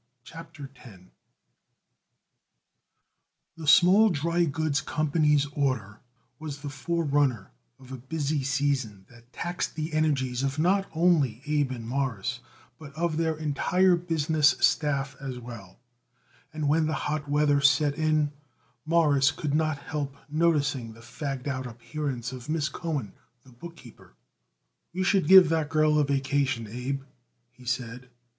'" CHAPTER X The Small Drygoods Company's order was the forerunner of a busy season that taxed the energies of not only Abe and Morris but of their entire business staff as well, and when the hot weather set in, Morris could not help noticing the fagged out appearance of Miss Cohen the bookkeeper. "We should give that girl a vacation, Abe," he said.